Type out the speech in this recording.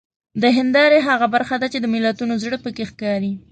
د هیندارې هغه برخه ده چې د ملتونو زړه پکې ښکاري.